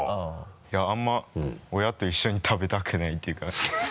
いやあんまり親と一緒に食べたくないっていうか